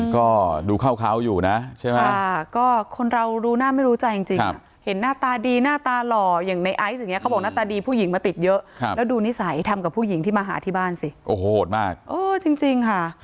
ก็ดูเข้าเขาอยู่นะใช่ไหมก็คนเรารู้หน้าไม่รู้ใจจริงเห็นหน้าตาดีหน้าตาหล่ออย่างในไอซ์อย่างนี้เขาบอกหน้าตาดีผู้หญิงมาติดเยอะแล้วดูนิสัยทำกับผู้หญิงที่มาหาที่บ้านสิโอ้โหโหดมากเออจริงค่ะ